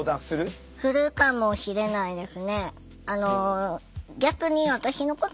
するかもしれないですね。